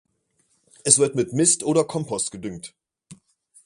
Es wird mit Mist oder Kompost gedüngt.